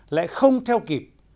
lại không theo kịp